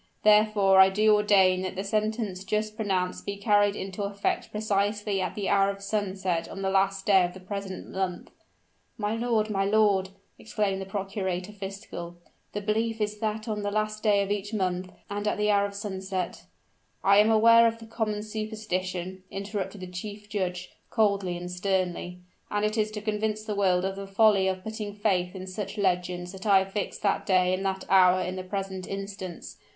Therefore I do ordain that the sentence just pronounced be carried into effect precisely at the hour of sunset on the last day of the present month!" "My lord! my lord!" exclaimed the procurator fiscal; "the belief is that on the last day of each month, and at the hour of sunset " "I am aware of the common superstition," interrupted the chief judge, coldly and sternly; "and it is to convince the world of the folly of putting faith in such legends that I have fixed that day and that hour in the present instance.